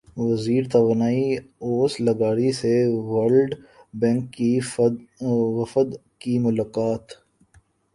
وزیر توانائی اویس لغاری سے ورلڈ بینک کے وفد کی ملاقات